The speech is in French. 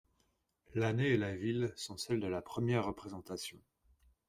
L'année et la ville sont celles de la première représentation.